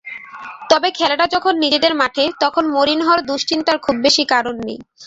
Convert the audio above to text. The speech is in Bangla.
তবে খেলাটা যখন নিজেদের মাঠে, তখন মরিনহোর দুশ্চিন্তার খুব বেশি কারণ নেই।